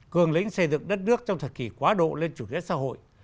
cường lĩnh xây dựng đất nước trong thật kỳ quá độ lên chủ kết xã hội